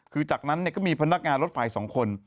คือจากนั้นก็มีพนักงานรถไฟ๒คน